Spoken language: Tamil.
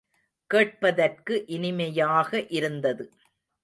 கேட்பதற்கு இனிமையாக இருந்தது.